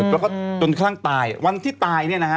แล้วก็จนคลั่งตายวันที่ตายเนี่ยนะฮะ